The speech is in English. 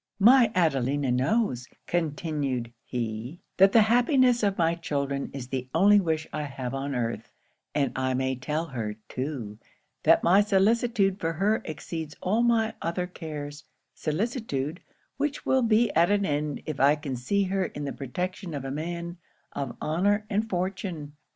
'"My Adelina knows," continued he, "that the happiness of my children is the only wish I have on earth; and I may tell her, too, that my solicitude for her exceeds all my other cares solicitude, which will be at an end if I can see her in the protection of a man of honour and fortune.